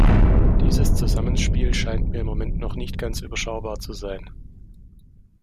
Dieses Zusammenspiel scheint mir im Moment noch nicht ganz überschaubar zu sein.